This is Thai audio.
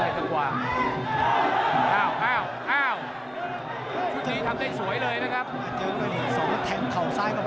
ใต้จังหวะ